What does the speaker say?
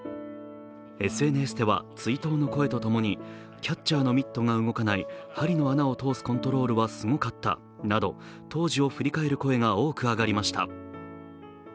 ＳＮＳでは追悼の声と共にキャッチャーのミットが動かない針の穴を通すコントロールはすごかったなど当時を振り返る声が多く上がりました。